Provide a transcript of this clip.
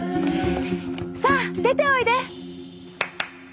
さあ出ておいで！